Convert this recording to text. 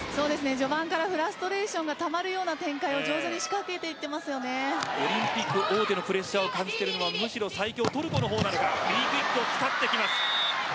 序盤からフラストレーションがたまるような展開をオリンピック大手のプレッシャーを感じているのはむしろ最強トルコの方かもしれません。